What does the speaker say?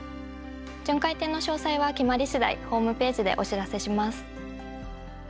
巡回展の詳細は決まりしだいホームページでお知らせします。